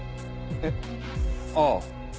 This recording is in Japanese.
えっ？ああ。